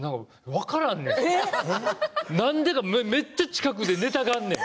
分からんねんめっちゃ近くでネタがあんねん。